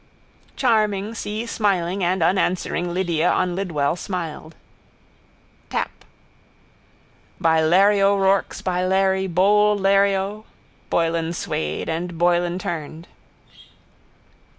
Charming, seasmiling and unanswering Lydia on Lidwell smiled. Tap. By Larry O'Rourke's, by Larry, bold Larry O', Boylan swayed and Boylan turned.